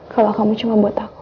kalau kamu cuma buat aku